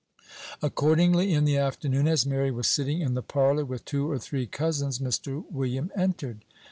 Accordingly, in the afternoon, as Mary was sitting in the parlor with two or three cousins, Mr. William entered.